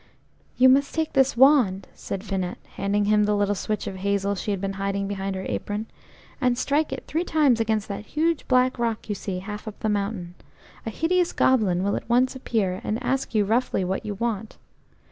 "You must take this wand," said Finette, handing him the little switch of hazel she had been hiding behind her apron, "and strike it three times against that huge black rock you see half up the mountain. A hideous goblin will at once appear, and ask you roughly what you want.